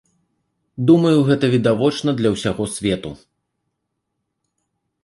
Думаю, гэта відавочна для ўсяго свету.